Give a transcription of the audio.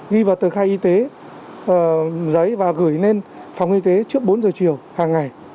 ghi vào tờ khai y tế giấy và gửi lên phòng y tế trước bốn giờ chiều hàng ngày